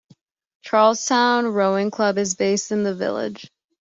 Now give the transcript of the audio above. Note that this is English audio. Charlestown Rowing Club is based in the village.